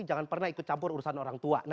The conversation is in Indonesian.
jangan pernah ikut campur urusan orang tua